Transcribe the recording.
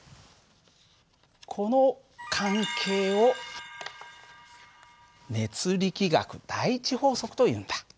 この関係を熱力学第１法則というんだ。